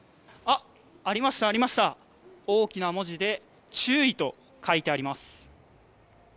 ありました、大きな文字で注意と書いてあります。